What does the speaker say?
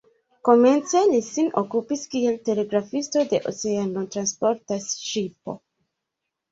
Komence li sin okupis kiel telegrafisto de oceanotransporta ŝipo.